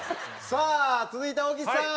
さあ続いては小木さん。